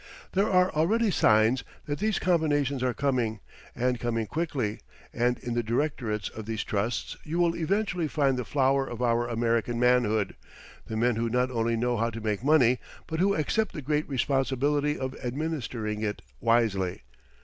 There are already signs that these combinations are coming, and coming quickly, and in the directorates of these trusts you will eventually find the flower of our American manhood, the men who not only know how to make money, but who accept the great responsibility of administering it wisely.